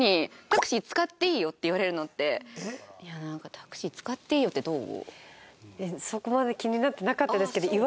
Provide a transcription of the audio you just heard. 「タクシー使っていいよ」ってどう？